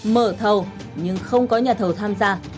mở thầu nhưng không có nhà thầu tham gia